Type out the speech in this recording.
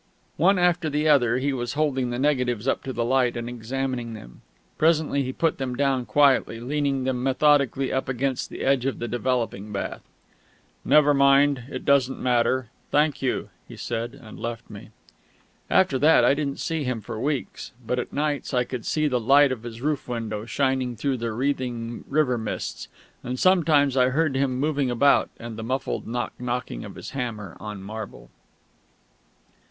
One after the other, he was holding the negatives up to the light and examining them. Presently he put them down quietly, leaning them methodically up against the edge of the developing bath. "Never mind. It doesn't matter. Thank you," he said; and left me. After that, I didn't see him for weeks; but at nights I could see the light of his roof window, shining through the wreathing river mists, and sometimes I heard him moving about, and the muffled knock knocking of his hammer on marble.